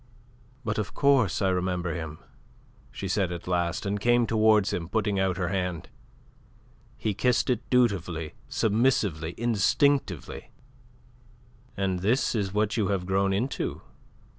"But of course I remember him," she said at last, and came towards him, putting out her hand. He kissed it dutifully, submissively, instinctively. "And this is what you have grown into?"